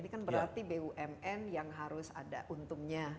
ini kan berarti bumn yang harus ada untungnya